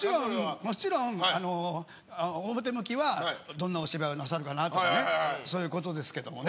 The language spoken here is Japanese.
もちろん表向きはどんなお芝居をなさるかなとかそういうことですけどもね。